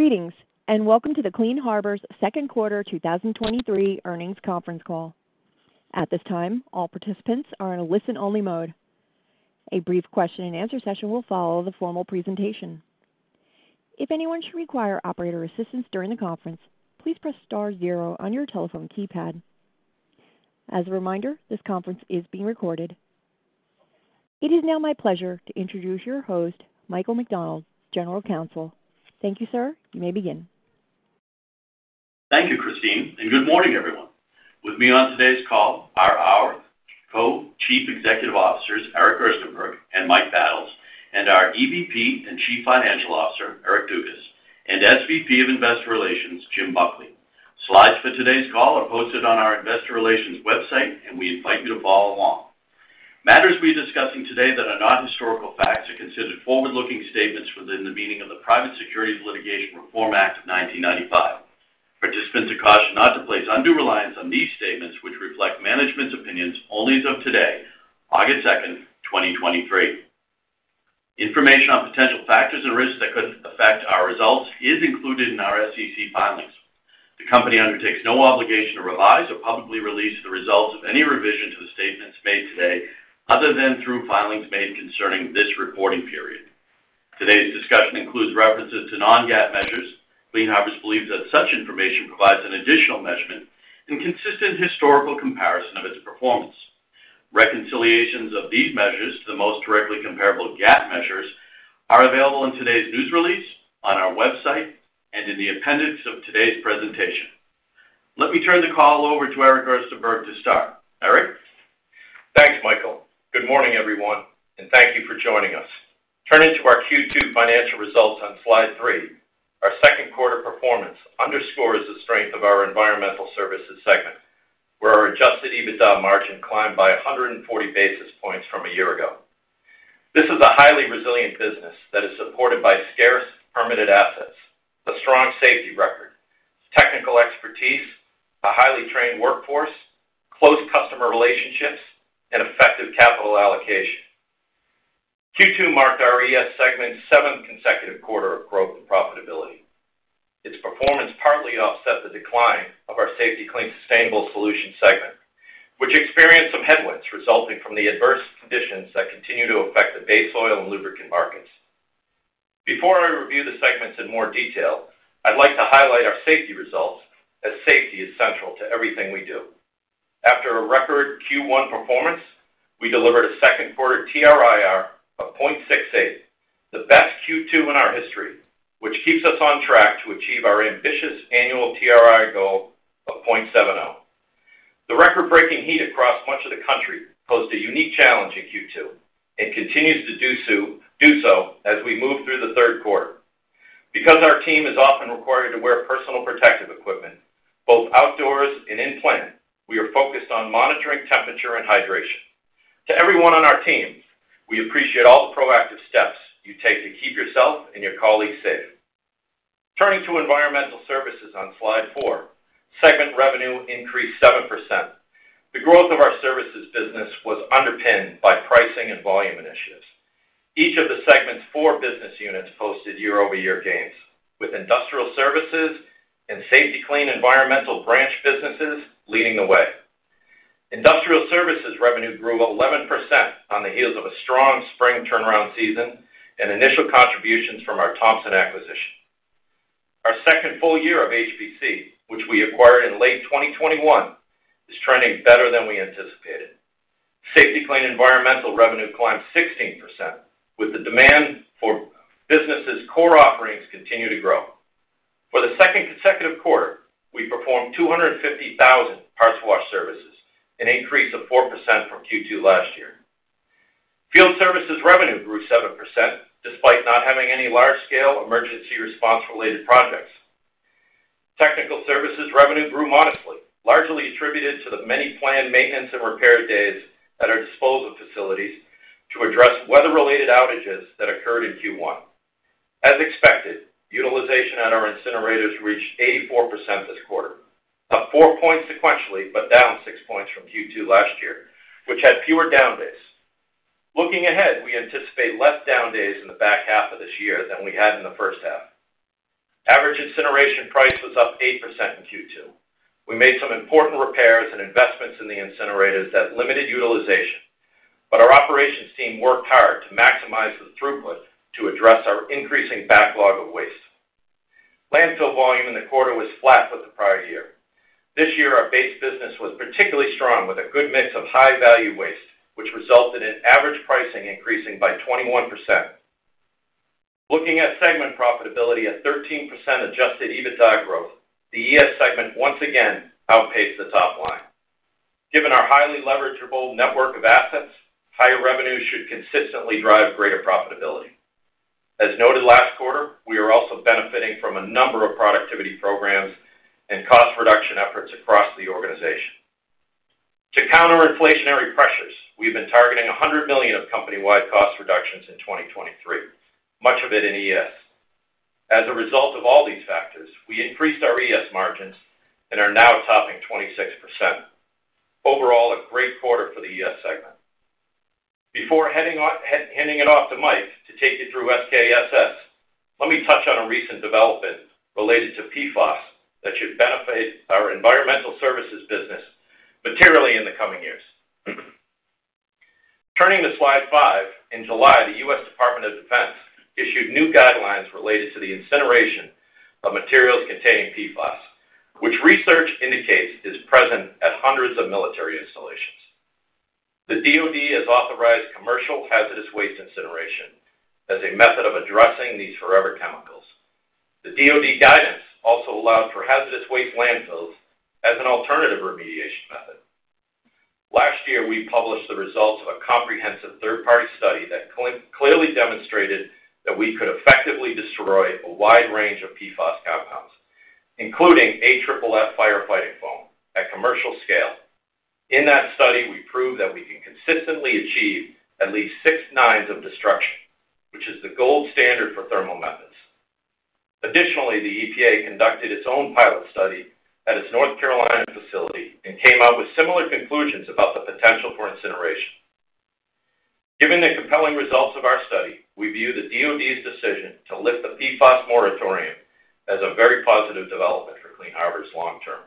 Greetings, welcome to the Clean Harbors second quarter 2023 earnings conference call. At this time, all participants are in a listen-only mode. A brief question-and-answer session will follow the formal presentation. If anyone should require operator assistance during the conference, please press star zero on your telephone keypad. As a reminder, this conference is being recorded. It is now my pleasure to introduce your host, Michael McDonald, General Counsel. Thank you, sir. You may begin. Thank you, Christine, and good morning, everyone. With me on today's call are our Co-Chief Executive Officers, Eric Gerstenberg and Mike Battles, and our EVP and Chief Financial Officer, Eric Dugas, and SVP of Investor Relations, Jim Buckley. slides for today's call are posted on our investor relations website, and we invite you to follow along. Matters we're discussing today that are not historical facts are considered forward-looking statements within the meaning of the Private Securities Litigation Reform Act of 1995. Participants are cautioned not to place undue reliance on these statements, which reflect management's opinions only as of today, August 2nd, 2023. Information on potential factors and risks that could affect our results is included in our SEC filings. The company undertakes no obligation to revise or publicly release the results of any revision to the statements made today other than through filings made concerning this reporting period. Today's discussion includes references to non-GAAP measures. Clean Harbors believes that such information provides an additional measurement and consistent historical comparison of its performance. Reconciliations of these measures to the most directly comparable GAAP measures are available in today's news release, on our website, and in the appendix of today's presentation. Let me turn the call over to Eric Gerstenberg to start. Eric? Thanks, Michael. Good morning, everyone, and thank you for joining us. Turning to our Q2 financial results on slide three, our second quarter performance underscores the strength of our environmental services segment, where our adjusted EBITDA margin climbed by 140 basis points from a year ago. This is a highly resilient business that is supported by scarce permitted assets, a strong safety record, technical expertise, a highly trained workforce, close customer relationships, and effective capital allocation. Q2 marked our ES segment's seventh consecutive quarter of growth and profitability. Its performance partly offset the decline of our Safety-Kleen Sustainability Solutions segment, which experienced some headwinds resulting from the adverse conditions that continue to affect the base oil and lubricant markets. Before I review the segments in more detail, I'd like to highlight our safety results, as safety is central to everything we do. After a record Q1 performance, we delivered a second quarter TRIR of 0.68, the best Q2 in our history, which keeps us on track to achieve our ambitious annual TRIR goal of 0.70. The record-breaking heat across much of the country posed a unique challenge in Q2 and continues to do so, do so as we move through the third quarter. Because our team is often required to wear personal protective equipment, both outdoors and in-plant, we are focused on monitoring temperature and hydration. To everyone on our team, we appreciate all the proactive steps you take to keep yourself and your colleagues safe. Turning to environmental services on slide four, segment revenue increased 7%. The growth of our services business was underpinned by pricing and volume initiatives. Each of the segment's four business units posted year-over-year gains, with industrial services and Safety-Kleen Environmental branch businesses leading the way. Industrial services revenue grew 11% on the heels of a strong spring turnaround season and initial contributions from our Thompson acquisition. Our second full year of HPSC, which we acquired in late 2021, is trending better than we anticipated. Safety-Kleen Environmental revenue climbed 16%, with the demand for business' core offerings continue to grow. For the second consecutive quarter, we performed 250,000 parts wash services, an increase of 4% from Q2 last year. Field services revenue grew 7%, despite not having any large-scale emergency response-related projects. Technical services revenue grew modestly, largely attributed to the many planned maintenance and repair days at our disposal facilities to address weather-related outages that occurred in Q1. As expected, utilization at our incinerators reached 84% this quarter, up 4 points sequentially, down 6 points from Q2 last year, which had fewer down days. Looking ahead, we anticipate less down days in the back half of this year than we had in the first half. Average incineration price was up 8% in Q2. We made some important repairs and investments in the incinerators that limited utilization, but our operations team worked hard to maximize the throughput to address our increasing backlog of waste. Landfill volume in the quarter was flat with the prior year. This year, our base business was particularly strong, with a good mix of high-value waste, which resulted in average pricing increasing by 21%. Looking at segment profitability at 13% Adjusted EBITDA growth, the ES segment once again outpaced the top line. Given our highly leverageable network of assets, higher revenues should consistently drive greater profitability. As noted last quarter, we are also benefiting from a number of productivity programs and cost reduction efforts across the organization. To counter inflationary pressures, we've been targeting $100 million of company-wide cost reductions in 2023, much of it in ES. As a result of all these factors, we increased our ES margins and are now topping 26%. Overall, a great quarter for the ES segment. Before handing it off to Mike to take you through SKSS, let me touch on a recent development related to PFAS that should benefit our environmental services business materially in the coming years. Turning to slide five, in July, the U.S. Department of Defense issued new guidelines related to the incineration of materials containing PFAS, which research indicates is present at hundreds of military installations. The DoD has authorized commercial hazardous waste incineration as a method of addressing these forever chemicals. The DoD guidance also allowed for hazardous waste landfills as an alternative remediation method. Last year, we published the results of a comprehensive third-party study that clearly demonstrated that we could effectively destroy a wide range of PFAS compounds, including AFFF firefighting foam, at commercial scale. In that study, we proved that we can consistently achieve at least six nines of destruction, which is the gold standard for thermal methods. The EPA conducted its own pilot study at its North Carolina facility and came out with similar conclusions about the potential for incineration. Given the compelling results of our study, we view the DoD's decision to lift the PFAS moratorium as a very positive development for Clean Harbors long term.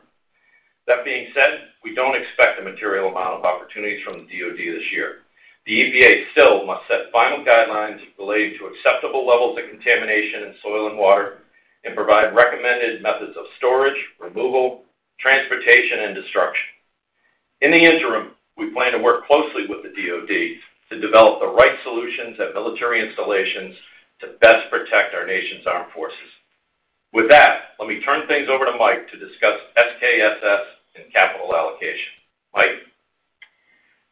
That being said, we don't expect a material amount of opportunities from the DoD this year. The EPA still must set final guidelines related to acceptable levels of contamination in soil and water, and provide recommended methods of storage, removal, transportation, and destruction. In the interim, we plan to work closely with the DoD to develop the right solutions at military installations to best protect our nation's armed forces. With that, let me turn things over to Mike to discuss SKSS and capital allocation. Mike?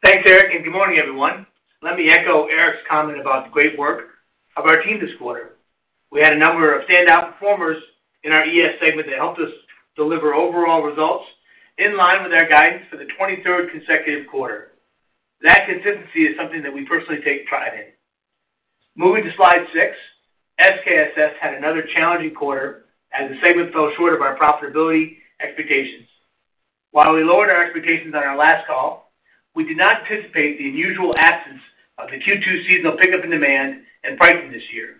Thanks, Eric. Good morning, everyone. Let me echo Eric's comment about the great work of our team this quarter. We had a number of standout performers in our ES segment that helped us deliver overall results in line with our guidance for the 23rd consecutive quarter. That consistency is something that we personally take pride in. Moving to slide six, SKSS had another challenging quarter as the segment fell short of our profitability expectations. While we lowered our expectations on our last call, we did not anticipate the unusual absence of the Q2 seasonal pickup in demand and pricing this year.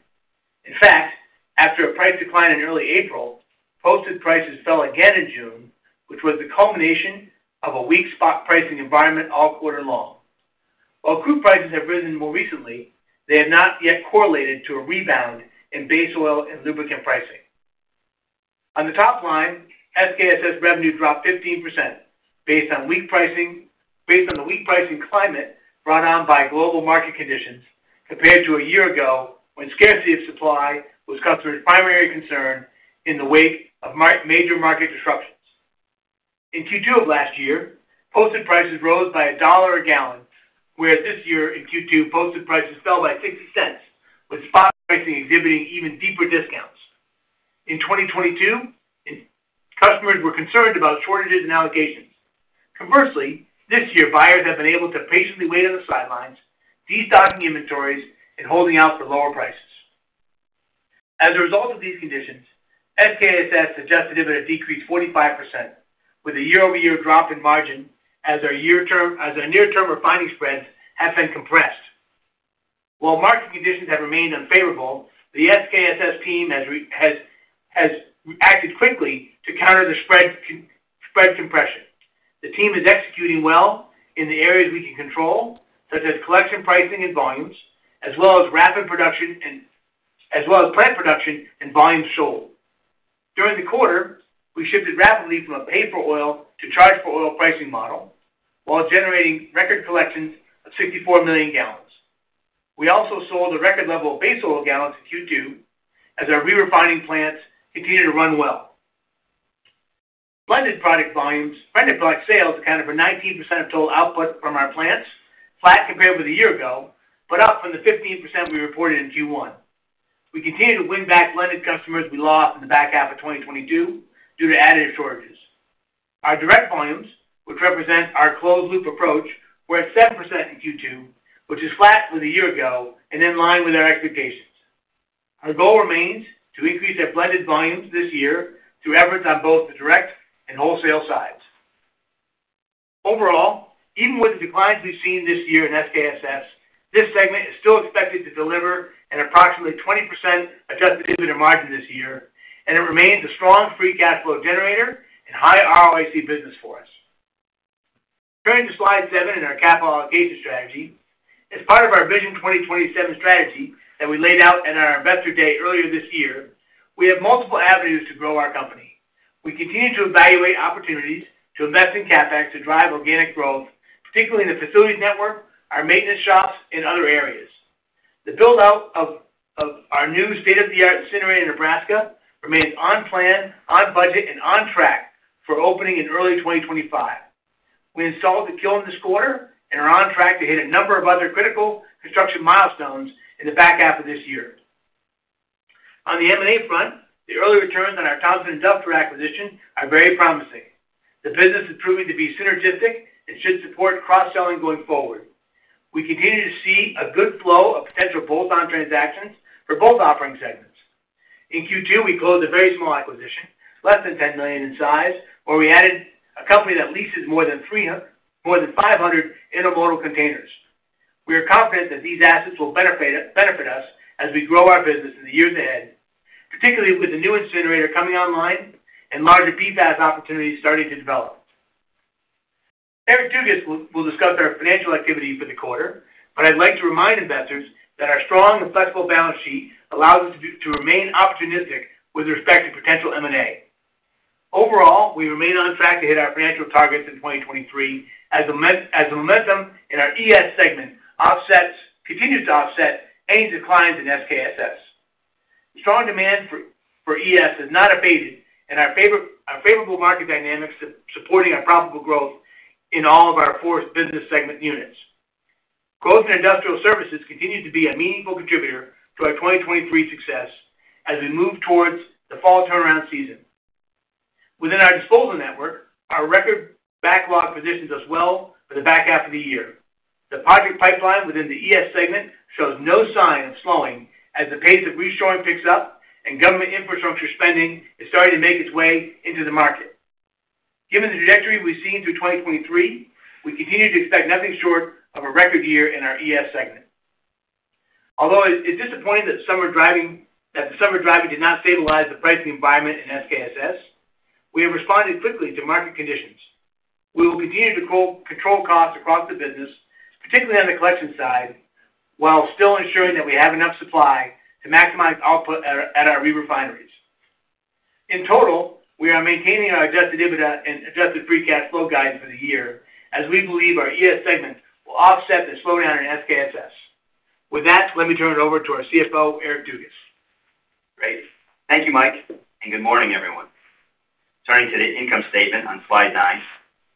In fact, after a price decline in early April, posted prices fell again in June, which was the culmination of a weak spot pricing environment all quarter long. While crude prices have risen more recently, they have not yet correlated to a rebound in base oil and lubricant pricing. On the top line, SKSS revenue dropped 15% based on the weak pricing climate brought on by global market conditions, compared to a year ago, when scarcity of supply was customers' primary concern in the wake of major market disruptions. In Q2 of last year, posted prices rose by $1 a gallon, whereas this year in Q2, posted prices fell by $0.60, with spot pricing exhibiting even deeper discounts. In 2022, customers were concerned about shortages and allocations. Conversely, this year, buyers have been able to patiently wait on the sidelines, destocking inventories and holding out for lower prices. As a result of these conditions, SKSS Adjusted EBITDA decreased 45%, with a year-over-year drop in margin as our near-term refining spreads have been compressed. While market conditions have remained unfavorable, the SKSS team has acted quickly to counter the spread compression. The team is executing well in the areas we can control, such as collection, pricing, and volumes, as well as plant production and volumes sold. During the quarter, we shifted rapidly from a pay-for-oil to charge-for-oil pricing model, while generating record collections of 64 million gallons. We also sold a record level of base oil gallons in Q2, as our re-refining plants continued to run well. Blended product volumes—blended product sales accounted for 19% of total output from our plants, flat compared with a year ago, but up from the 15% we reported in Q1. We continue to win back blended customers we lost in the back half of 2022 due to additive shortages. Our direct volumes, which represent our closed-loop approach, were at 7% in Q2, which is flat with a year ago and in line with our expectations. Our goal remains to increase our blended volumes this year through efforts on both the direct and wholesale sides. Overall, even with the declines we've seen this year in SKSS, this segment is still expected to deliver an approximately 20% Adjusted EBITDA margin this year, and it remains a strong free cash flow generator and high ROIC business for us. Turning to slide seven in our capital allocation strategy. As part of our Vision 2027 strategy that we laid out at our Investor Day earlier this year, we have multiple avenues to grow our company. We continue to evaluate opportunities to invest in CapEx to drive organic growth, particularly in the facilities network, our maintenance shops, and other areas. The build-out of our new state-of-the-art incinerator in Nebraska remains on plan, on budget, and on track for opening in early 2025. We installed the kiln this quarter and are on track to hit a number of other critical construction milestones in the back half of this year. On the M&A front, the early returns on our Thompson Industrial acquisition are very promising. The business is proving to be synergistic and should support cross-selling going forward. We continue to see a good flow of potential bolt-on transactions for both operating segments. In Q2, we closed a very small acquisition, less than $10 million in size, where we added a company that leases more than 500 intermodal containers. We are confident that these assets will benefit, benefit us as we grow our business in the years ahead, particularly with the new incinerator coming online and larger PFAS opportunities starting to develop. Eric Dugas will, will discuss our financial activity for the quarter, but I'd like to remind investors that our strong and flexible balance sheet allows us to remain opportunistic with respect to potential M&A. Overall, we remain on track to hit our financial targets in 2023 as the momentum in our ES segment continues to offset any declines in SKSS. The strong demand for ES is not abated, and our favorable market dynamics supporting our profitable growth in all of our four business segment units. Growth in industrial services continues to be a meaningful contributor to our 2023 success as we move towards the fall turnaround season. Within our disposal network, our record backlog positions us well for the back half of the year. The project pipeline within the ES segment shows no sign of slowing as the pace of reshoring picks up and government infrastructure spending is starting to make its way into the market. Given the trajectory we've seen through 2023, we continue to expect nothing short of a record year in our ES segment. Although it's disappointing that the summer driving did not stabilize the pricing environment in SKSS, we have responded quickly to market conditions. We will continue to control costs across the business, particularly on the collection side, while still ensuring that we have enough supply to maximize output at our re-refineries. In total, we are maintaining our Adjusted EBITDA and adjusted free cash flow guidance for the year, as we believe our ES segment will offset the slowdown in SKSS. With that, let me turn it over to our CFO, Eric Dugas. Great. Thank you, Mike, and good morning, everyone. Turning to the income statement on slide nine.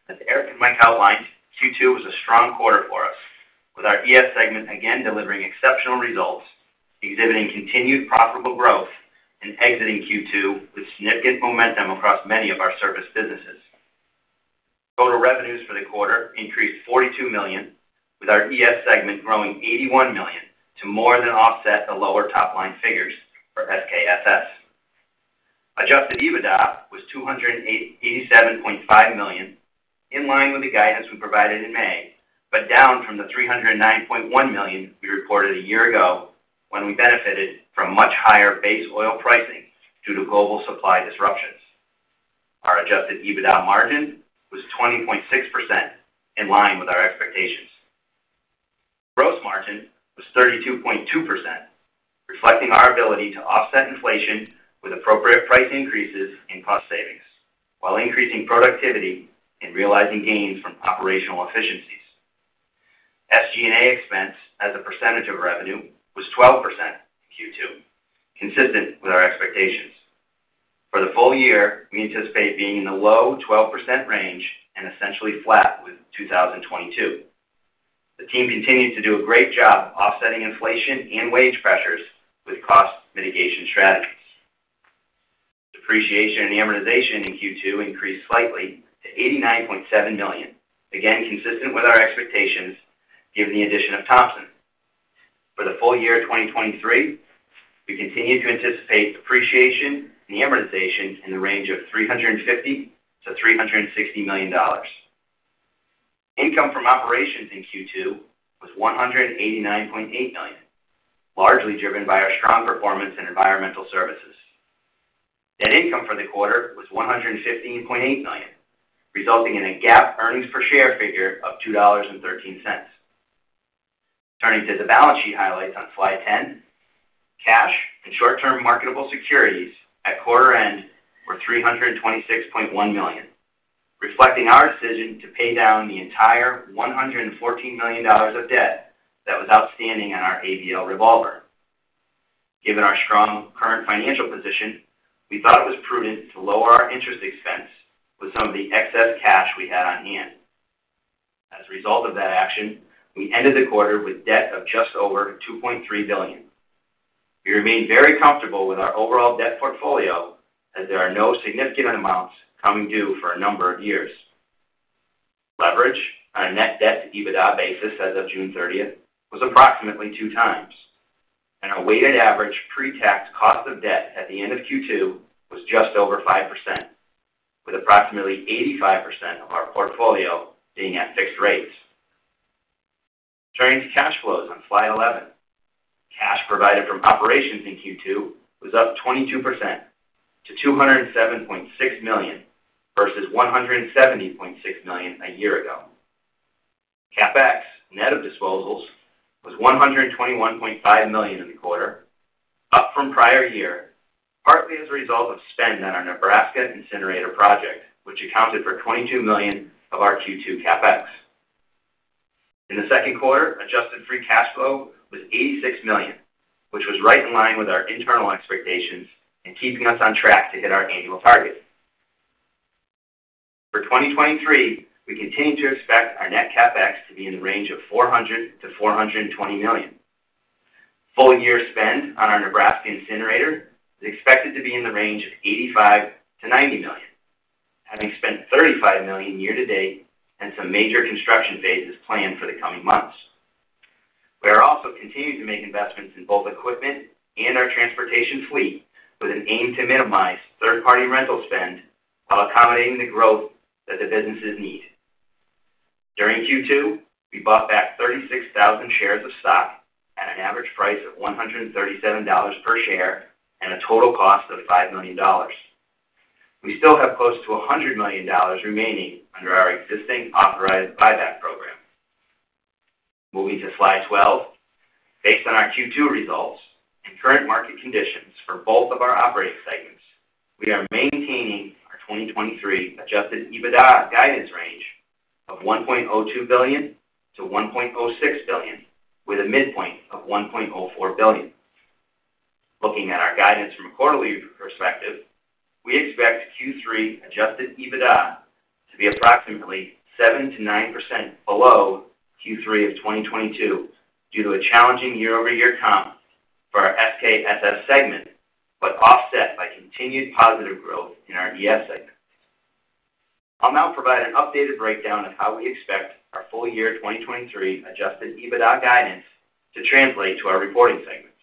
As Eric and Mike outlined, Q2 was a strong quarter for us, with our ES segment again delivering exceptional results, exhibiting continued profitable growth and exiting Q2 with significant momentum across many of our service businesses. Total revenues for the quarter increased $42 million, with our ES segment growing $81 million to more than offset the lower top-line figures for SKSS. Adjusted EBITDA was $287.5 million, in line with the guidance we provided in May, but down from the $309.1 million we reported a year ago when we benefited from much higher base oil pricing due to global supply disruptions. Our Adjusted EBITDA margin was 20.6%, in line with our expectations. Gross margin was 32.2%, reflecting our ability to offset inflation with appropriate price increases and cost savings, while increasing productivity and realizing gains from operational efficiencies. SG&A expense as a percentage of revenue was 12% in Q2, consistent with our expectations. For the full year, we anticipate being in the low 12% range and essentially flat with 2022. The team continues to do a great job offsetting inflation and wage pressures with cost mitigation strategies. Depreciation and amortization in Q2 increased slightly to $89.7 million, again, consistent with our expectations, given the addition of Thompson. For the full year 2023, we continue to anticipate depreciation and amortization in the range of $350 million-$360 million. Income from operations in Q2 was $189.8 million, largely driven by our strong performance in environmental services. Net income for the quarter was $115.8 million, resulting in a GAAP earnings per share figure of $2.13. Turning to the balance sheet highlights on slide 10. Cash and short-term marketable securities at quarter-end were $326.1 million, reflecting our decision to pay down the entire $114 million of debt that was outstanding on our ABL revolver. Given our strong current financial position, we thought it was prudent to lower our interest expense with some of the excess cash we had on hand. As a result of that action, we ended the quarter with debt of just over $2.3 billion. We remain very comfortable with our overall debt portfolio, as there are no significant amounts coming due for a number of years. Leverage on a net debt to EBITDA basis as of June 30th was approximately 2x, and our weighted average pre-tax cost of debt at the end of Q2 was just over 5%, with approximately 85% of our portfolio being at fixed rates. Turning to cash flows on slide 11. Cash provided from operations in Q2 was up 22% to $207.6 million versus $170.6 million a year ago. CapEx, net of disposals, was $121.5 million in the quarter, up from prior year, partly as a result of spend on our Nebraska incinerator project, which accounted for $22 million of our Q2 CapEx. In the second quarter, adjusted free cash flow was $86 million, which was right in line with our internal expectations and keeping us on track to hit our annual target. For 2023, we continue to expect our net CapEx to be in the range of $400 million-$420 million. Full-year spend on our Nebraska incinerator is expected to be in the range of $85 million-$90 million, having spent $35 million year to date and some major construction phases planned for the coming months. We are also continuing to make investments in both equipment and our transportation fleet, with an aim to minimize third-party rental spend while accommodating the growth that the businesses need. During Q2, we bought back 36,000 shares of stock at an average price of $137 per share and a total cost of $5 million. We still have close to $100 million remaining under our existing authorized buyback program. Moving to slide 12. Based on our Q2 results and current market conditions for both of our operating segments, we are maintaining our 2023 Adjusted EBITDA guidance range of $1.02 billion-$1.06 billion, with a midpoint of $1.04 billion. Looking at our guidance from a quarterly perspective, we expect Q3 Adjusted EBITDA to be approximately 7%-9% below Q3 of 2022, due to a challenging year-over-year comp for our SKSS segment, offset by continued positive growth in our ES segment. I'll now provide an updated breakdown of how we expect our full year 2023 Adjusted EBITDA guidance to translate to our reporting segments.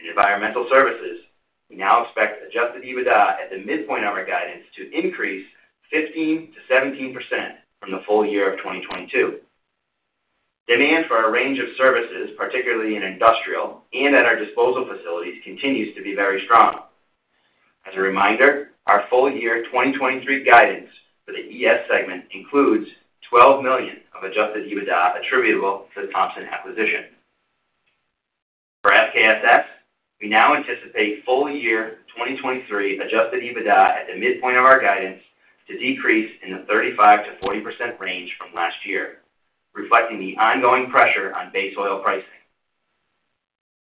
In Environmental Services, we now expect Adjusted EBITDA at the midpoint of our guidance to increase 15%-17% from the full year of 2022. Demand for our range of services, particularly in industrial and at our disposal facilities, continues to be very strong. As a reminder, our full year 2023 guidance for the ES segment includes $12 million of Adjusted EBITDA attributable to the Thompson acquisition. For SKSS, we now anticipate full year 2023 Adjusted EBITDA at the midpoint of our guidance to decrease in the 35%-40% range from last year, reflecting the ongoing pressure on base oil pricing.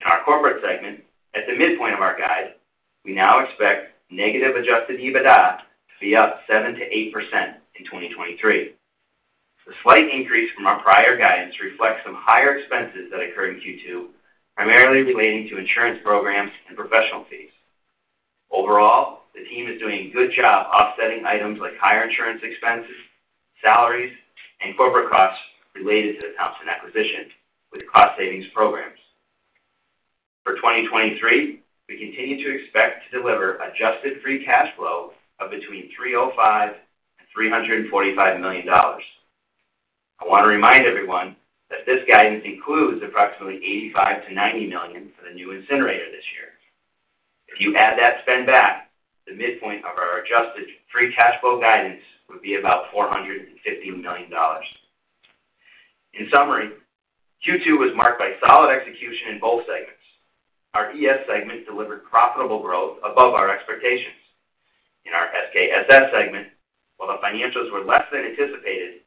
In our corporate segment, at the midpoint of our guide, we now expect negative Adjusted EBITDA to be up 7%-8% in 2023. The slight increase from our prior guidance reflects some higher expenses that occurred in Q2, primarily relating to insurance programs and professional fees. Overall, the team is doing a good job offsetting items like higher insurance expenses, salaries, and corporate costs related to the Thompson acquisition with cost savings programs. For 2023, we continue to expect to deliver adjusted free cash flow of between $305 million and $345 million. I want to remind everyone that this guidance includes approximately $85 million-$90 million for the new incinerator this year. If you add that spend back, the midpoint of our adjusted free cash flow guidance would be about $450 million. In summary, Q2 was marked by solid execution in both segments. Our ES segment delivered profitable growth above our expectations. In our SKSS segment, while the financials were less than anticipated,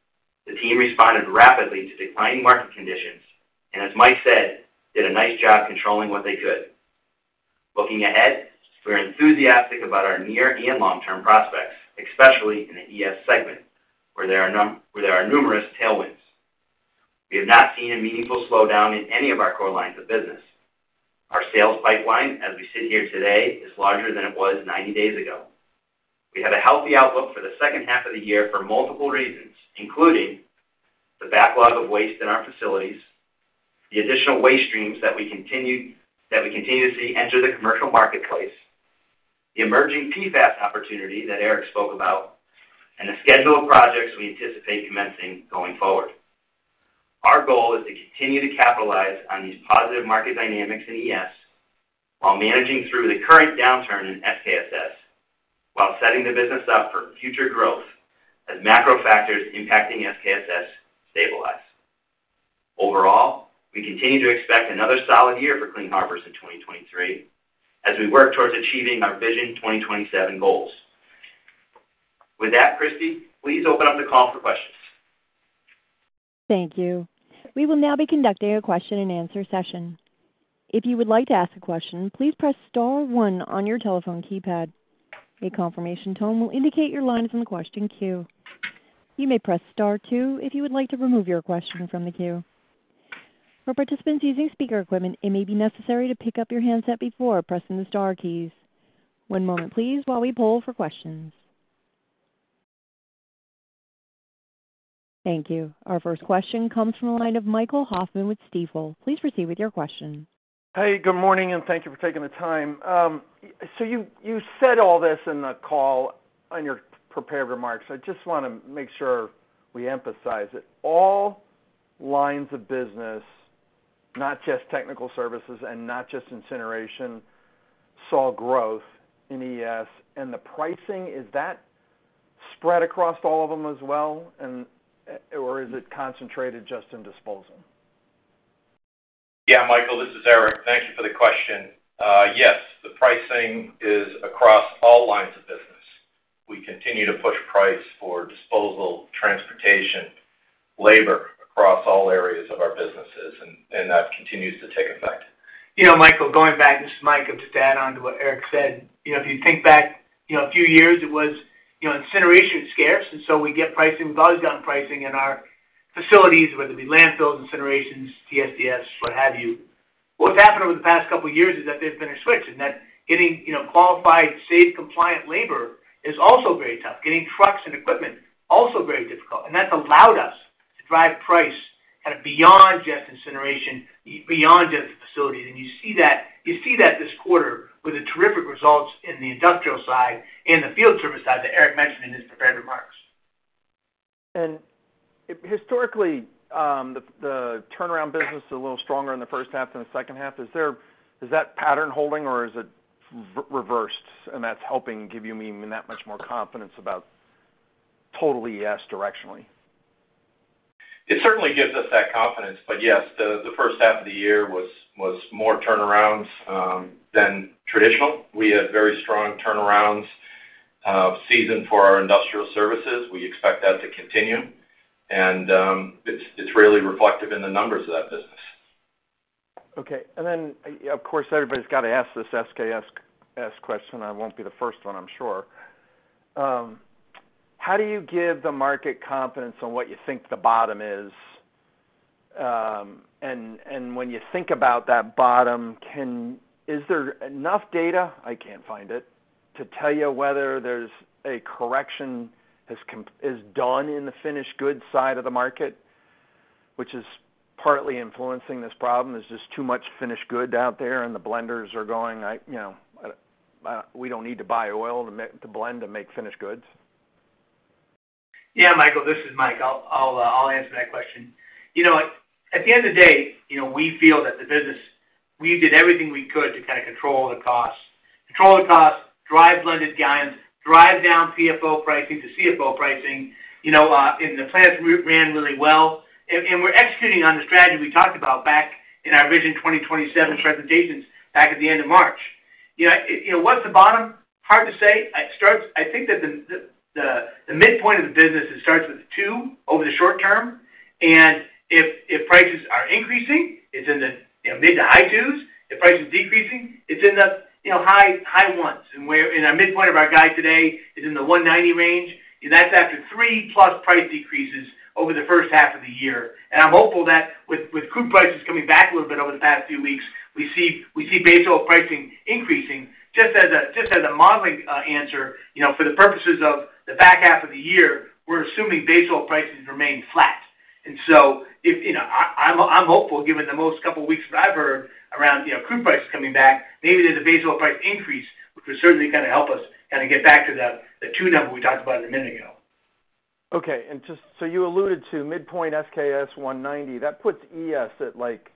the team responded rapidly to declining market conditions, and as Mike said, did a nice job controlling what they could. Looking ahead, we're enthusiastic about our near and long-term prospects, especially in the ES segment, where there are numerous tailwinds. We have not seen a meaningful slowdown in any of our core lines of business. Our sales pipeline, as we sit here today, is larger than it was 90 days ago. We have a healthy outlook for the second half of the year for multiple reasons, including the backlog of waste in our facilities, the additional waste streams that we continue to see enter the commercial marketplace, the emerging PFAS opportunity that Eric spoke about, and the schedule of projects we anticipate commencing going forward. Our goal is to continue to capitalize on these positive market dynamics in ES, while managing through the current downturn in SKSS, while setting the business up for future growth as macro factors impacting SKSS stabilize. Overall, we continue to expect another solid year for Clean Harbors in 2023, as we work towards achieving our Vision 2027 goals. With that, Christy, please open up the call for questions. Thank you. We will now be conducting a question-and-answer session. If you would like to ask a question, please press star one on your telephone keypad. A confirmation tone will indicate your line is in the question queue. You may press star two if you would like to remove your question from the queue. For participants using speaker equipment, it may be necessary to pick up your handset before pressing the star keys. One moment, please, while we poll for questions. Thank you. Our first question comes from the line of Michael Hoffman with Stifel. Please proceed with your question. Hey, good morning, and thank you for taking the time. You, you said all this in the call on your prepared remarks. I just want to make sure we emphasize it. All lines of business, not just technical services and not just incineration, saw growth in ES. The pricing, is that spread across all of them as well, or is it concentrated just in disposal? Yeah, Michael, this is Eric. Thank you for the question. Yes, the pricing is across all lines of business. We continue to push price for disposal, transportation, labor across all areas of our businesses, and that continues to take effect. You know, Michael, going back, this is Mike. Just to add on to what Eric said. You know, if you think back, you know, a few years, it was, you know, incineration scarce, and so we get pricing, we've always gotten pricing in our facilities, whether it be landfills, incinerations, TSDF, what have you. What's happened over the past couple of years is that there's been a switch, and that getting, you know, qualified, safe, compliant labor is also very tough. Getting trucks and equipment, also very difficult. That's allowed us to drive price kind of beyond just incineration, beyond just the facilities. You see that, you see that this quarter with the terrific results in the industrial side and the field service side that Eric mentioned in his prepared remarks. Historically, the, the turnaround business is a little stronger in the first half than the second half. Is that pattern holding, or is it re-reversed, and that's helping give you even that much more confidence about total ES directionally? It certainly gives us that confidence. Yes, the first half of the year was more turnarounds than traditional. We had very strong turnarounds season for our industrial services. We expect that to continue, and it's really reflective in the numbers of that business. Okay. Of course, everybody's got to ask this SKSS question. I won't be the first one, I'm sure. How do you give the market confidence on what you think the bottom is? When you think about that bottom, is there enough data, I can't find it, to tell you whether there's a correction has is done in the finished goods side of the market, which is partly influencing this problem? There's just too much finished good out there, and the blenders are going, I, you know, we don't need to buy oil to blend, to make finished goods. Yeah, Michael, this is Mike. I'll, I'll answer that question. You know what? At the end of the day, you know, we feel that the business. We did everything we could to kind of control the costs, control the costs, drive blended guidance, drive down PFO pricing to CFO pricing, you know. The plants ran really well. And we're executing on the strategy we talked about back in our Vision 2027 presentations back at the end of March. You know, you know, what's the bottom? Hard to say. I think that the, the, the midpoint of the business, it starts with 2 over the short term, and if, if prices are increasing, it's in the, you know, mid to high 2s. If price is decreasing, it's in the, you know, high, high 1s. Our midpoint of our guide today is in the $190 range, and that's after 3+ price decreases over the first half of the year. I'm hopeful that with crude prices coming back a little bit over the past few weeks, we see base oil pricing increasing. Just as a, just as a modeling answer, you know, for the purposes of the back half of the year, we're assuming base oil prices remain flat. If, you know, I, I'm, I'm hopeful, given the most couple of weeks that I've heard around, you know, crude prices coming back, maybe there's a base oil price increase, which would certainly kind of help us kind of get back to the $2 number we talked about a minute ago. Okay. just... you alluded to midpoint SKSS $190. That puts ES at, like,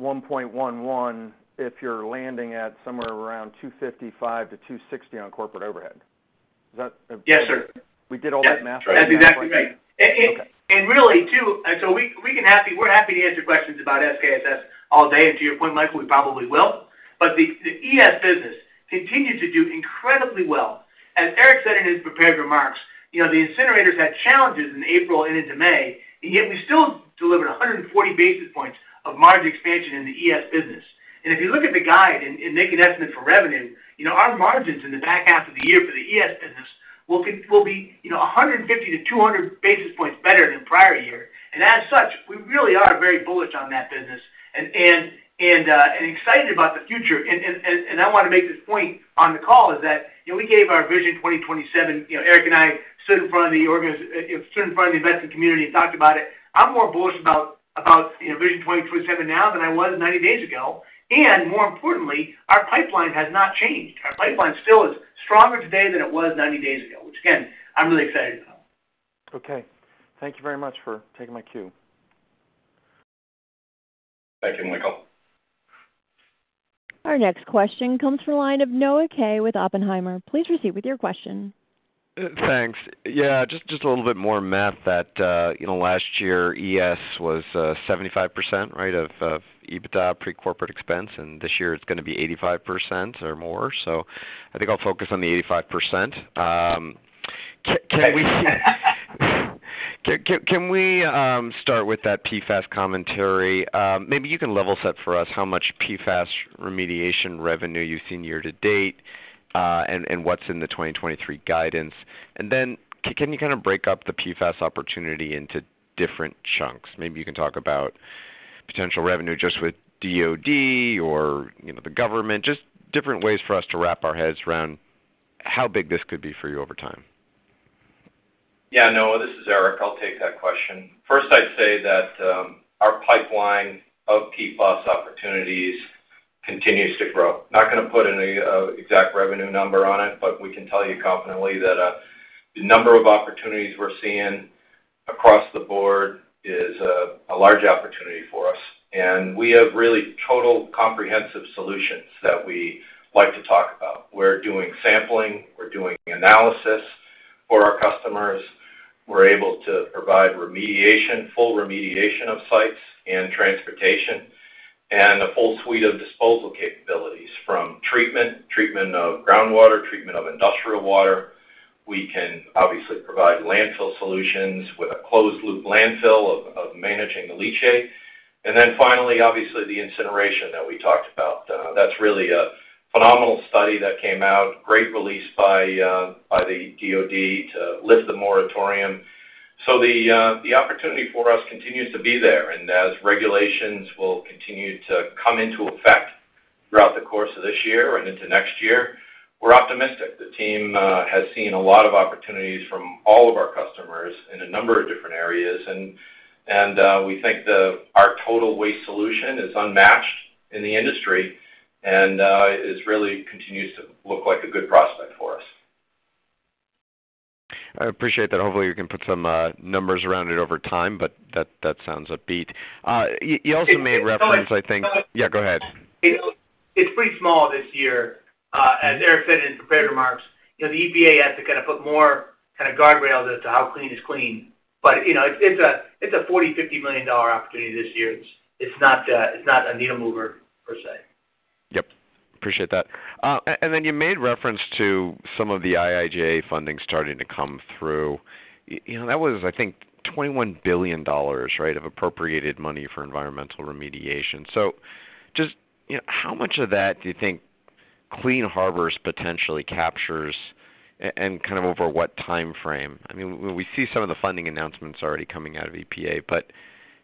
$1.11 if you're landing at somewhere around $255-$260 on corporate overhead. Is that? Yes, sir. We did all that math right? That's exactly right. Okay. Really, too, and so we're happy to answer questions about SKSS all day, and to your point, Michael, we probably will. The ES business continues to do incredibly well. As Eric said in his prepared remarks, you know, the incinerators had challenges in April and into May, and yet we still delivered 140 basis points of margin expansion in the ES business. If you look at the guide and, and make an estimate for revenue, you know, our margins in the back half of the year for the ES business will be, you know, 150-200 basis points better than prior year. As such, we really are very bullish on that business and, and, and excited about the future. I want to make this point on the call, is that, you know, we gave our Vision 2027, you know, Eric and I stood in front of the investing community and talked about it. I'm more bullish about, about, you know, Vision 2027 now than I was 90 days ago, and more importantly, our pipeline has not changed. Our pipeline still is stronger today than it was 90 days ago, which, again, I'm really excited about. Okay. Thank you very much for taking my cue. Thank you, Michael. Our next question comes from the line of Noah Kaye with Oppenheimer. Please proceed with your question. Thanks. Yeah, just, just a little bit more math that, you know, last year, ES was 75%, right, of EBITDA pre-corporate expense, and this year it's gonna be 85% or more. I think I'll focus on the 85%. Can we start with that PFAS commentary? Maybe you can level set for us how much PFAS remediation revenue you've seen year to date, and what's in the 2023 guidance. Then can you kind of break up the PFAS opportunity into different chunks? Maybe you can talk about potential revenue just with DoD or, you know, the government. Just different ways for us to wrap our heads around how big this could be for you over time. Yeah, Noah, this is Eric. I'll take that question. First, I'd say that our pipeline of PFAS opportunities continues to grow. Not gonna put any exact revenue number on it, we can tell you confidently that the number of opportunities we're seeing across the board is a large opportunity for us. We have really total comprehensive solutions that we like to talk about. We're doing sampling, we're doing analysis for our customers. We're able to provide remediation, full remediation of sites and transportation, and a full suite of disposal capabilities from treatment, treatment of groundwater, treatment of industrial water. We can obviously provide landfill solutions with a closed-loop landfill of managing the leachate. Then finally, obviously, the incineration that we talked about, that's really a phenomenal study that came out. Great release by by the DoD to lift the moratorium. The opportunity for us continues to be there, and as regulations will continue to come into effect throughout the course of this year and into next year, we're optimistic. The team has seen a lot of opportunities from all of our customers in a number of different areas, and, we think the-- our total waste solution is unmatched in the industry, and, it really continues to look like a good prospect for us. I appreciate that. Hopefully, you can put some numbers around it over time, but that, that sounds upbeat. Y-you also made reference, I think- It's- Yeah, go ahead. It's pretty small this year. As Eric said in his prepared remarks, you know, the EPA has to kind of put more kind of guardrails as to how clean is clean. But, you know, it's a, it's a $40 million-$50 million opportunity this year. It's, it's not, it's not a needle mover per se. Yep, appreciate that. Then you made reference to some of the IIJA funding starting to come through. You know, that was, I think, $21 billion, right, of appropriated money for environmental remediation? Just, you know, how much of that do you think Clean Harbors potentially captures and kind of over what timeframe? I mean, we see some of the funding announcements already coming out of EPA, but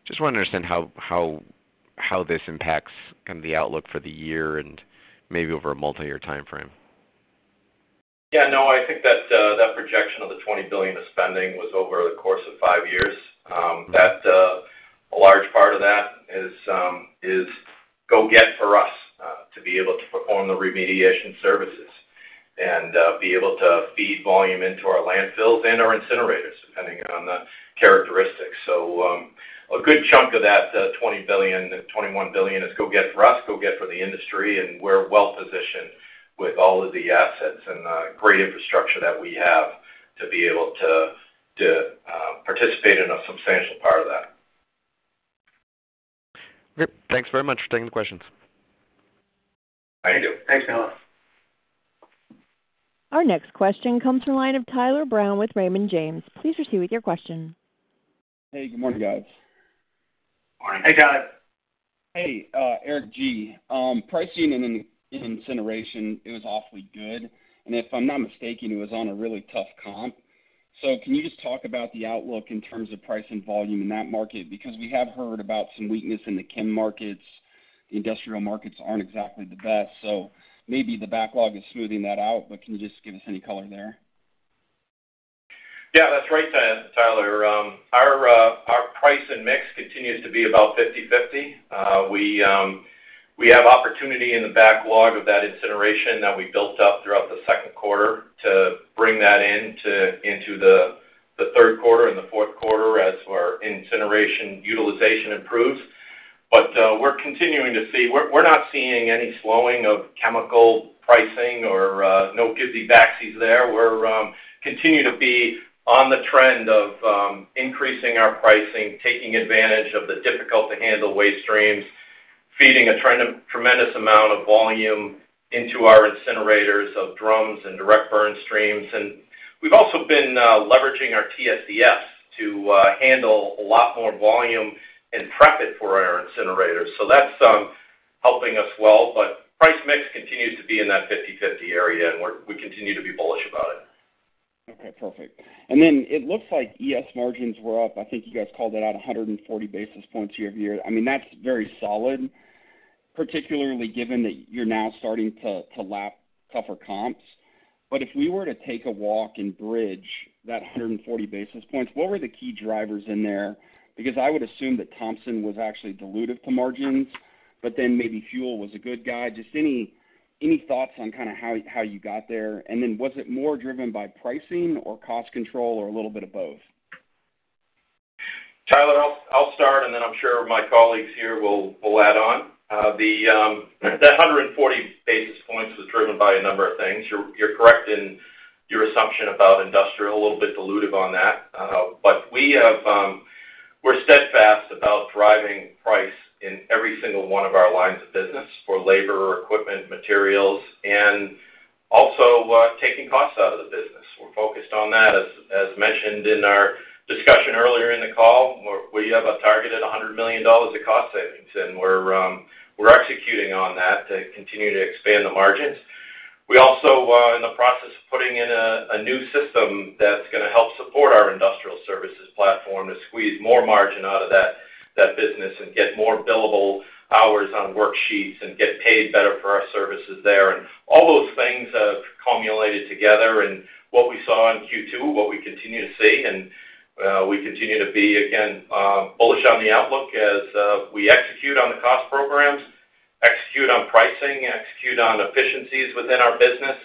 just want to understand how, how, how this impacts kind of the outlook for the year and maybe over a multi-year timeframe. Yeah, no, I think that that projection of the $20 billion of spending was over the course of five years. That a large part of that is go get for us to be able to perform the remediation services and be able to feed volume into our landfills and our incinerators, depending on the characteristics. A good chunk of that $20 billion, $21 billion is go get for us, go get for the industry, and we're well positioned with all of the assets and great infrastructure that we have to be able to, to participate in a substantial part of that. Great. Thanks very much for taking the questions. Thank you. Thanks, Noah. Our next question comes from the line of Tyler Brown with Raymond James. Please proceed with your question. Hey, good morning, guys. Morning. Hey, Tyler. Hey, Eric G., pricing in in-incineration, it was awfully good, and if I'm not mistaken, it was on a really tough comp. Can you just talk about the outlook in terms of price and volume in that market? Because we have heard about some weakness in the chem markets. Industrial markets aren't exactly the best, so maybe the backlog is smoothing that out, but can you just give us any color there? Yeah, that's right, Tyler. Our price and mix continues to be about 50/50. We have opportunity in the backlog of that incineration that we built up throughout the second quarter to bring that into the third quarter and the fourth quarter as our incineration utilization improves. We're continuing to see. We're not seeing any slowing of chemical pricing or no give-the-backsies there. We're continue to be on the trend of increasing our pricing, taking advantage of the difficult-to-handle waste streams, feeding a tremendous amount of volume into our incinerators of drums and direct burn streams. We've also been leveraging our TSDF to handle a lot more volume and prep it for our incinerators, so that's helping us well. Price mix continues to be in that 50/50 area, and we continue to be bullish about it. Okay, perfect. Then it looks like ES margins were up. I think you guys called it out 140 basis points year-over-year. I mean, that's very solid, particularly given that you're now starting to lap tougher comps. If we were to take a walk and bridge that 140 basis points, what were the key drivers in there? I would assume that Thompson was actually dilutive to margins, but then maybe fuel was a good guide. Any thoughts on kind of how you got there, was it more driven by pricing or cost control or a little bit of both? Tyler, I'll, I'll start, and then I'm sure my colleagues here will, will add on. The 140 basis points was driven by a number of things. You're, you're correct in your assumption about industrial, a little bit dilutive on that. We have. We're steadfast about driving price in every single one of our lines of business for labor, equipment, materials, and also taking costs out of the business. We're focused on that. As mentioned in our discussion earlier in the call, we have a target at $100 million of cost savings, and we're executing on that to continue to expand the margins. We also are in the process of putting in a, a new system that's going to help support our industrial services platform to squeeze more margin out of that, that business and get more billable hours on worksheets and get paid better for our services there. All those things have cumulated together, and what we saw in Q2, what we continue to see, and we continue to be, again, bullish on the outlook as we execute on the cost programs, execute on pricing, execute on efficiencies within our business,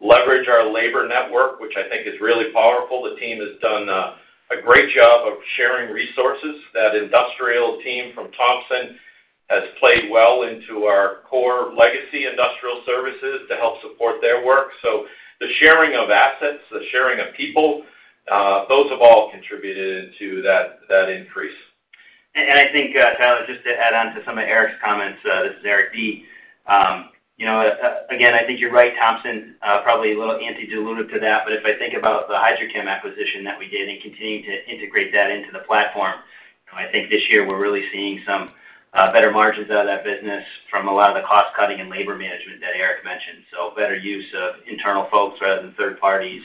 leverage our labor network, which I think is really powerful. The team has done a great job of sharing resources. That industrial team from Thompson has played well into our core legacy industrial services to help support their work. The sharing of assets, the sharing of people, those have all contributed to that, that increase. I think Tyler, just to add on to some of Eric's comments, this is Eric D. Again, I think you're right, Thompson, probably a little antidilutive to that, but if I think about the HydroChem acquisition that we did and continuing to integrate that into the platform. I think this year we're really seeing some better margins out of that business from a lot of the cost cutting and labor management that Eric mentioned. Better use of internal folks rather than third parties,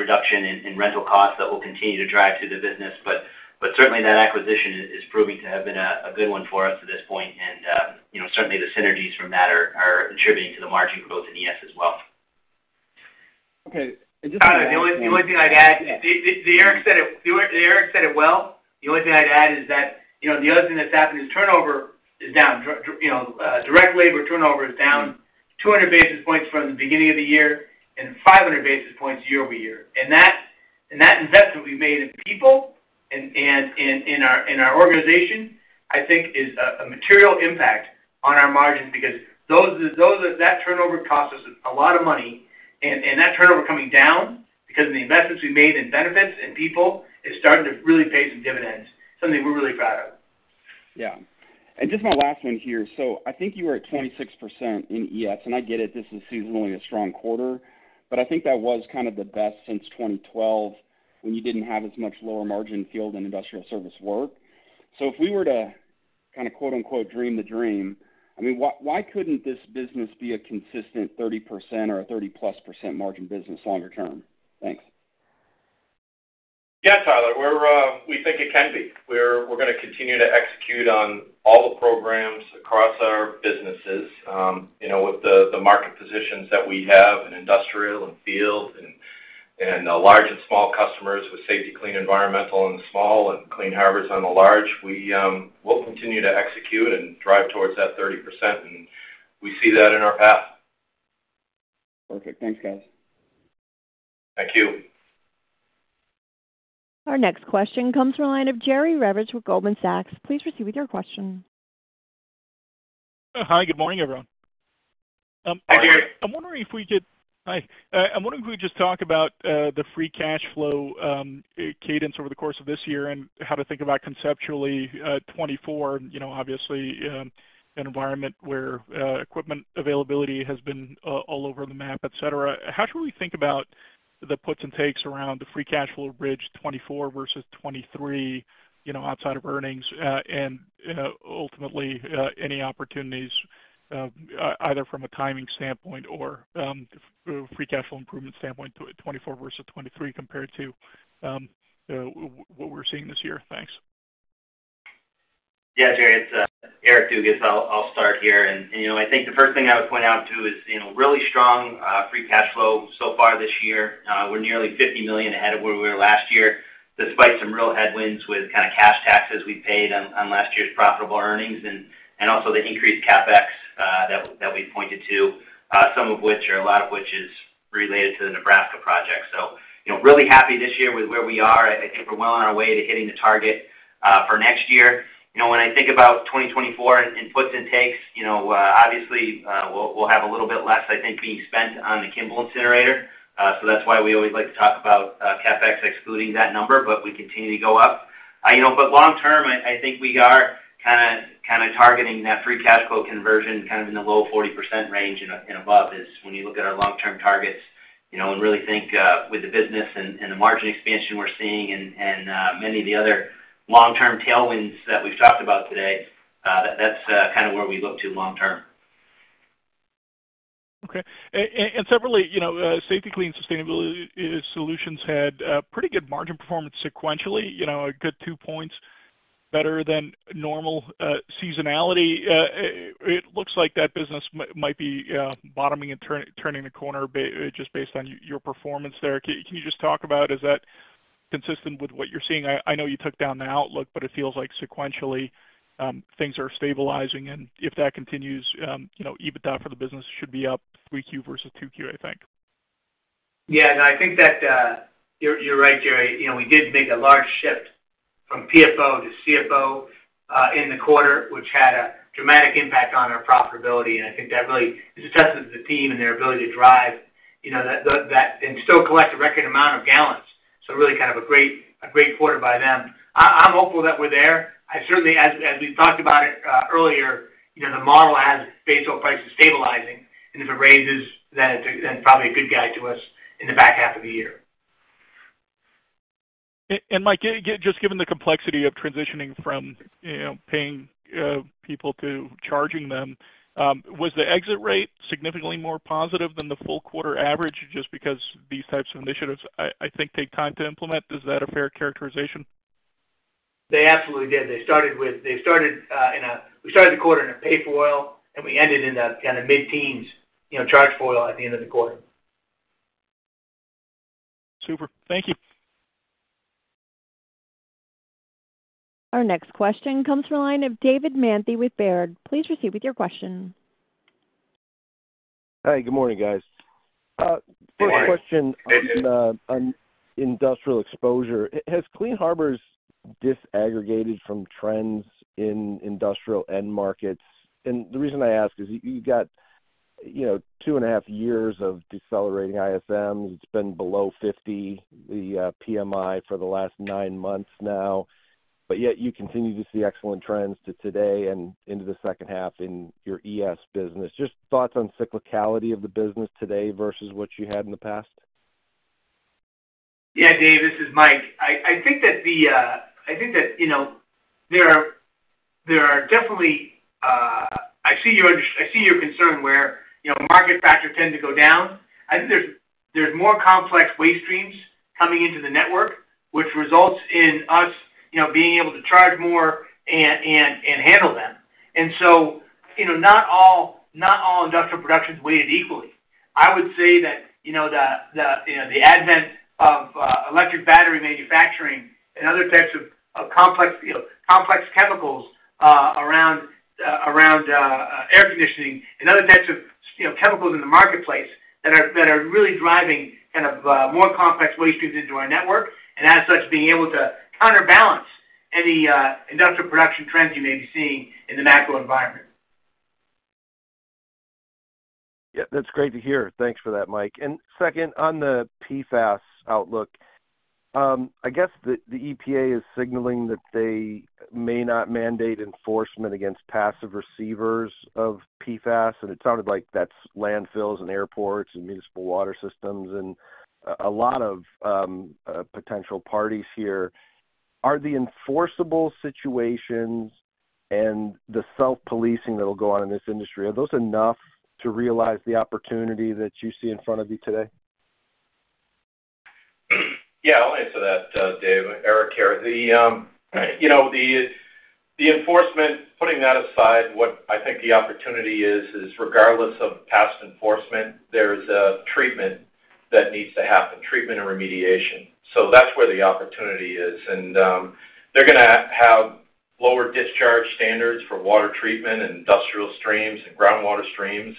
reduction in rental costs that will continue to drive through the business. Certainly that acquisition is proving to have been a good one for us to this point. You know, certainly the synergies from that are contributing to the margin growth in ES as well. Okay. Tyler, the only, the only thing I'd add, Eric said it, Eric said it well. The only thing I'd add is that, you know, the other thing that's happened is turnover is down. You know, direct labor turnover is down 200 basis points from the beginning of the year and 500 basis points year-over-year. That, and that investment we made in people and, and, and in our, in our organization, I think is a, a material impact on our margins because those that turnover cost us a lot of money. That turnover coming down because of the investments we made in benefits and people, is starting to really pay some dividends, something we're really proud of. Yeah. Just my last one here. I think you were at 26% in ES, and I get it, this is seasonally a strong quarter, but I think that was kind of the best since 2012, when you didn't have as much lower margin field and industrial service work. If we were to kind of, quote, unquote, "Dream the dream," I mean, why, why couldn't this business be a consistent 30% or a 30+% margin business longer term? Thanks. Yeah, Tyler, we're, we think it can be. We're, we're gonna continue to execute on all the programs across our businesses, you know, with the, the market positions that we have in industrial and field and, and large and small customers with Safety-Kleen Environmental on the small and Clean Harbors on the large. We, we'll continue to execute and drive towards that 30%, and we see that in our path. Okay. Thanks, guys. Thank you. Our next question comes from the line of Jerry Revich with Goldman Sachs. Please proceed with your question. Hi, good morning, everyone. Hi, Jerry. Hi. I'm wondering if we could just talk about the free cash flow cadence over the course of this year and how to think about conceptually 2024. You know, obviously, an environment where equipment availability has been all over the map, et cetera. How should we think about the puts and takes around the free cash flow bridge 2024 versus 2023, you know, outside of earnings? Ultimately, any opportunities, either from a timing standpoint or free cash flow improvement standpoint, to 2024 versus 2023, compared to what we're seeing this year. Thanks. Yeah, Jerry, it's Eric Dugas. I'll, I'll start here. You know, I think the first thing I would point out, too, is, you know, really strong free cash flow so far this year. We're nearly $50 million ahead of where we were last year, despite some real headwinds with kind of cash taxes we paid on, on last year's profitable earnings also the increased CapEx that, that we pointed to, some of which or a lot of which is related to the Nebraska project. You know, really happy this year with where we are. I think we're well on our way to hitting the target for next year. You know, when I think about 2024 in puts and takes, you know, obviously, we'll, we'll have a little bit less, I think, being spent on the Kimball incinerator. That's why we always like to talk about, CapEx excluding that number, but we continue to go up. You know, long term, I think we are kind of, kind of targeting that free cash flow conversion, kind of in the low 40% range and, and above, is when you look at our long-term targets, you know, and really think, with the business and, and the margin expansion we're seeing and, and, many of the other long-term tailwinds that we've talked about today, that's, kind of where we look to long term. Okay. Separately, you know, Safety-Kleen Sustainability Solutions had pretty good margin performance sequentially, you know, a good 2 points better than normal seasonality. It looks like that business might be bottoming and turning the corner just based on your performance there. Can, can you just talk about, is that consistent with what you're seeing? I, I know you took down the outlook, but it feels like sequentially, things are stabilizing, and if that continues, you know, EBITDA for the business should be up 3Q versus 2Q, I think. Yeah, no, I think that, you're, you're right, Jerry. You know, we did make a large shift from PFO to CFO, in the quarter, which had a dramatic impact on our profitability. I think that really is a testament to the team and their ability to drive, you know, that and still collect a record amount of gallons. Really kind of a great, a great quarter by them. I, I'm hopeful that we're there. I certainly as, as we've talked about it, earlier, you know, the model has base oil prices stabilizing, and if it raises, then it's, then probably a good guide to us in the back half of the year. Mike, just given the complexity of transitioning from, you know, paying people to charging them, was the exit rate significantly more positive than the full quarter average? Just because these types of initiatives, I, I think, take time to implement. Is that a fair characterization? They absolutely did. They started the quarter in a pay-for-oil, and we ended in a kind of mid-teens, you know, charge-for-oil at the end of the quarter. Super. Thank you. Our next question comes from the line of David Manthey with Baird. Please proceed with your question. Hi, good morning, guys. Good morning, David. First question on the, on industrial exposure. Has Clean Harbors disaggregated from trends in industrial end markets? The reason I ask is you, you got, you know, 2.5 years of decelerating ISMs. It's been below 50, the PMI, for the last nine months now, but yet you continue to see excellent trends to today and into the second half in your ES business. Just thoughts on cyclicality of the business today versus what you had in the past? Yeah, Dave, this is Mike. I think that the, I think that, you know, there are, there are definitely, I see your concern where, you know, market factors tend to go down. I think there's, there's more complex waste streams coming into the network, which results in us, you know, being able to charge more and, and, and handle them. You know, not all, not all industrial production is weighted equally. I would say that, you know, the, the, the advent of electric battery manufacturing and other types of, of complex, you know, complex chemicals, around, around, air conditioning and other types of, you know, chemicals in the marketplace that are, that are really driving kind of, more complex waste streams into our network, and as such, being able to counterbalance any industrial production trends you may be seeing in the macro environment. Yeah, that's great to hear. Thanks for that, Mike. Second, on the PFAS outlook, I guess the EPA is signaling that they may not mandate enforcement against passive receivers of PFAS, and it sounded like that's landfills and airports and municipal water systems, and a lot of potential parties here. Are the enforceable situations and the self-policing that'll go on in this industry, are those enough to realize the opportunity that you see in front of you today? Yeah, I'll answer that, Dave. Eric here. The, you know, the enforcement, putting that aside, what I think the opportunity is, is regardless of past enforcement, there's a treatment that needs to happen, treatment and remediation. That's where the opportunity is. They're gonna have lower discharge standards for water treatment and industrial streams and groundwater streams.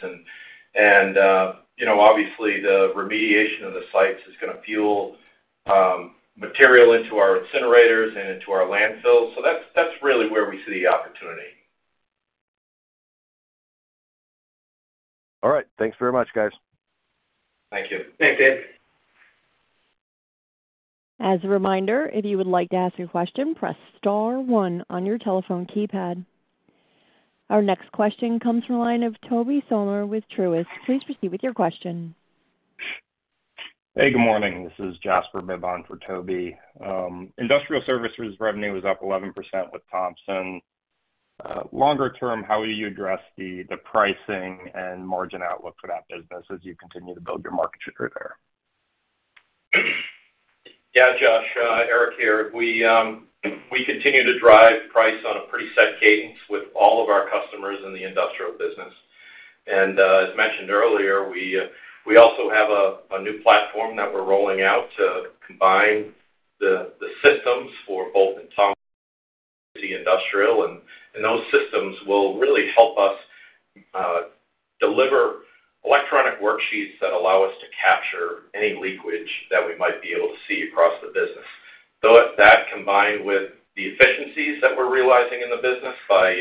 You know, obviously, the remediation of the sites is gonna fuel material into our incinerators and into our landfills. That's, that's really where we see the opportunity. All right. Thanks very much, guys. Thank you. Thanks, Dave. As a reminder, if you would like to ask a question, press star one on your telephone keypad. Our next question comes from the line of Tobey Sommer with Truist. Please proceed with your question. Hey, good morning. This is Jasper Bibb for Tobey. industrial services revenue was up 11% with Thompson. Longer term, how will you address the pricing and margin outlook for that business as you continue to build your market share there? Yeah, Jas, Eric here. We, we continue to drive price on a pretty set cadence with all of our customers in the industrial business. As mentioned earlier, we, we also have a, a new platform that we're rolling out to combine the, the systems for both the Thompson Industrial, and those systems will really help us, deliver electronic worksheets that allow us to capture any leakage that we might be able to see across the business. At that, combined with the efficiencies that we're realizing in the business by,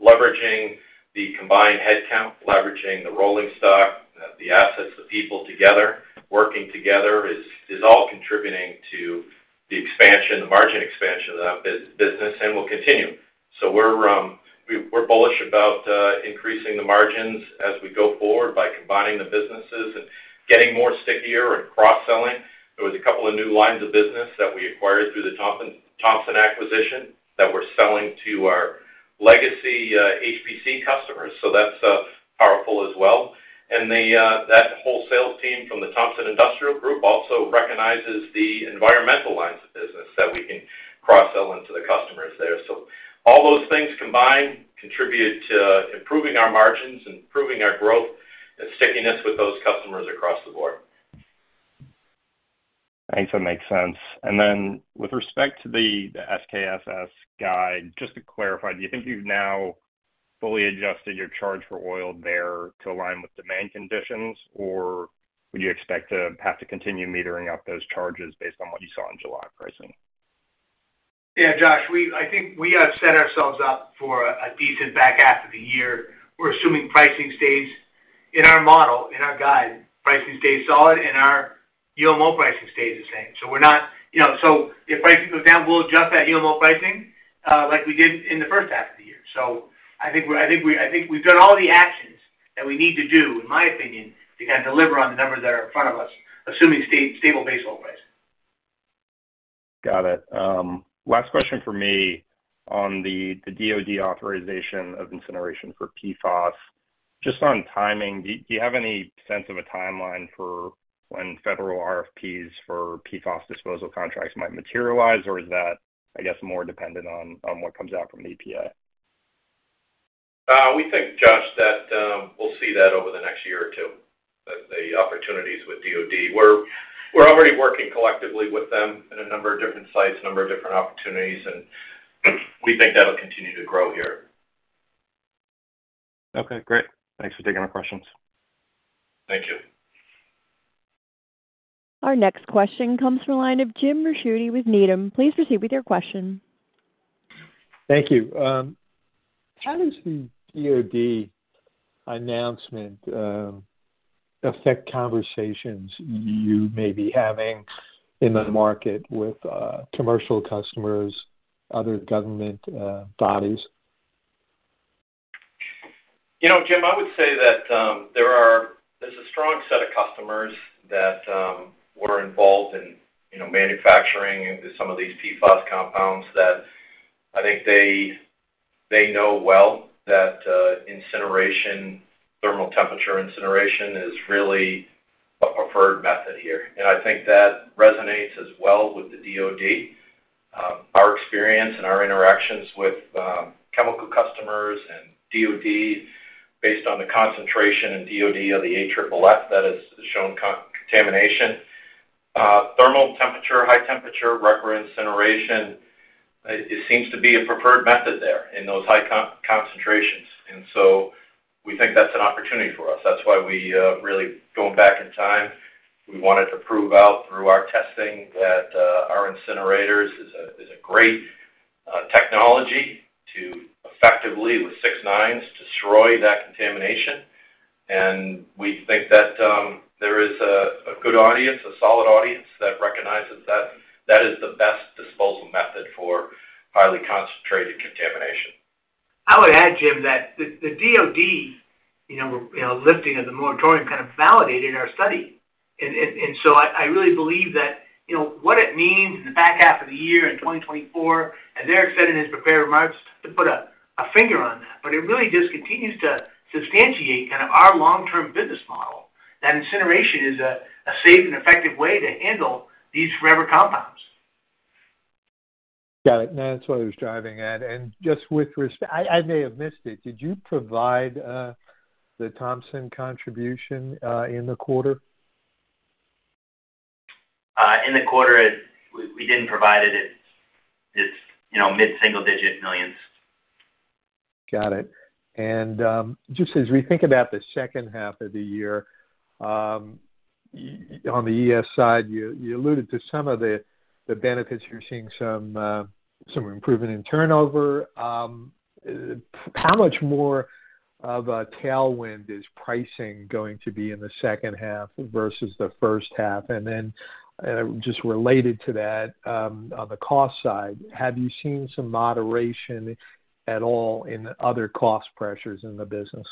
leveraging the combined headcount, leveraging the rolling stock, the assets, the people together, working together, is, is all contributing to the expansion, the margin expansion of that business, and will continue. We're, we're bullish about increasing the margins as we go forward by combining the businesses and getting more stickier and cross-selling. There was a couple of new lines of business that we acquired through the Thompson, Thompson acquisition that we're selling to our legacy HBC customers, so that's powerful as well. That whole sales team from the Thompson Industrial Group also recognizes the environmental lines of business that we can cross-sell into the customers there. All those things combined contribute to improving our margins and improving our growth and stickiness with those customers across the board. I think that makes sense. Then with respect to the SKSS guide, just to clarify, do you think you've now fully adjusted your charge-for-oil there to align with demand conditions? Would you expect to have to continue metering up those charges based on what you saw in July pricing? Yeah, Jas, I think we have set ourselves up for a decent back half of the year. We're assuming pricing stays in our model, in our guide, pricing stays solid and our ULO pricing stays the same. We're not, you know, if pricing goes down, we'll adjust that ULO pricing, like we did in the first half of the year. I think we've done all the actions that we need to do, in my opinion, to kind of deliver on the numbers that are in front of us, assuming stable base oil price. Got it. Last question for me on the, the DoD authorization of incineration for PFAS. Just on timing, do, do you have any sense of a timeline for when federal RFPs for PFAS disposal contracts might materialize, or is that, I guess, more dependent on, on what comes out from the EPA? We think, Jas, that, we'll see that over the next year or two, the, the opportunities with DoD. We're, we're already working collectively with them in a number of different sites, a number of different opportunities, and we think that'll continue to grow here. Okay, great. Thanks for taking my questions. Thank you. Our next question comes from the line of Jim Ricchiuti with Needham. Please proceed with your question. Thank you. How does the DoD announcement affect conversations you may be having in the market with commercial customers, other government bodies? You know, Jim, I would say that, there's a strong set of customers that, were involved in, you know, manufacturing into some of these PFAS compounds that I think they, they know well that, incineration, thermal temperature incineration is really a preferred method here. I think that resonates as well with the DoD. Our experience and our interactions with, chemical customers and DoD based on the concentration in DoD of the AFFF that has shown contamination. Thermal temperature, high temperature, rotary kiln incineration, it, it seems to be a preferred method there in those high concentrations. We think that's an opportunity for us. That's why we, really going back in time, we wanted to prove out through our testing that, our incinerators is a, is a great, technology to effectively, with six 9s, destroy that contamination. We think that there is a, a good audience, a solid audience that recognizes that that is the best disposal method for highly concentrated contamination. I would add, Jim, that the DoD, you know, lifting of the moratorium kind of validated our study. So I really believe that, you know, what it means in the back half of the year in 2024, as Eric said in his prepared remarks, to put a finger on that. It really just continues to substantiate kind of our long-term business model, that incineration is a safe and effective way to handle these forever compounds. Got it. Now, that's what I was driving at. Just with respect, I may have missed it: did you provide the Thompson contribution in the quarter? In the quarter, we didn't provide it. It's, you know, mid-single digit millions. Got it. Just as we think about the second half of the year, on the ES side, you, you alluded to some of the, the benefits. You're seeing some, some improvement in turnover. How much more of a tailwind is pricing going to be in the second half versus the first half? Just related to that, on the cost side, have you seen some moderation at all in other cost pressures in the business?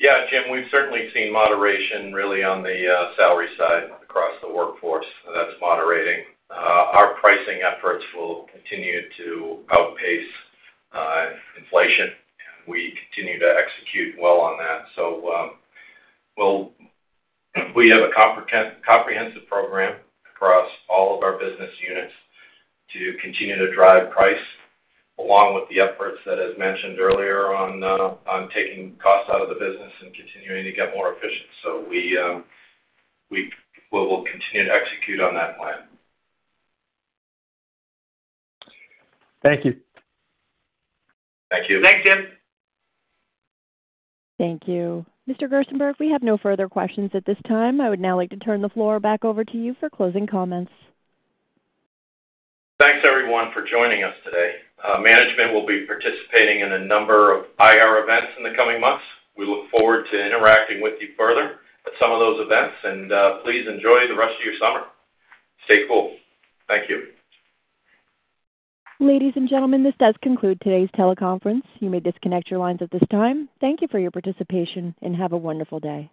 Yeah, Jim, we've certainly seen moderation really on the salary side across the workforce, and that's moderating. Our pricing efforts will continue to outpace inflation, and we continue to execute well on that. We have a comprehensive program across all of our business units to continue to drive price, along with the efforts that as mentioned earlier on taking costs out of the business and continuing to get more efficient. We will continue to execute on that plan. Thank you. Thank you. Thanks, Jim. Thank you. Mr. Gerstenberg, we have no further questions at this time. I would now like to turn the floor back over to you for closing comments. Thanks, everyone, for joining us today. Management will be participating in a number of IR events in the coming months. We look forward to interacting with you further at some of those events, and, please enjoy the rest of your summer. Stay cool. Thank you. Ladies and gentlemen, this does conclude today's teleconference. You may disconnect your lines at this time. Thank you for your participation and have a wonderful day.